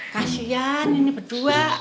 kasian ini berdua